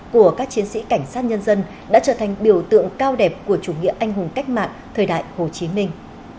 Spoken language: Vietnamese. của các chiến sĩ cảnh sát nhân dân đã trở thành biểu tượng cao đẹp của chủ nghĩa anh hùng cách mạng thời đại hồ chí minh